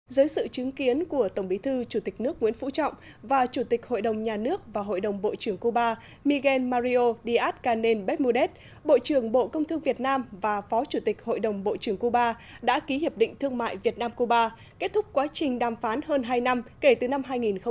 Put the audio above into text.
dưới sự chứng kiến của tổng bí thư chủ tịch nước nguyễn phú trọng và chủ tịch hội đồng nhà nước và hội đồng bộ trưởng cuba miguel mario díaz canel becmudet bộ trưởng bộ công thương việt nam và phó chủ tịch hội đồng bộ trưởng cuba đã ký hiệp định thương mại việt nam cuba kết thúc quá trình đàm phán hơn hai năm kể từ năm hai nghìn một mươi